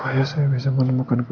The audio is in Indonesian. ternyata itu semua cuma mimpi